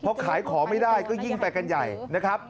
พอขายของไม่ได้ก็ยิ่งไปกันใหญ่นะครับ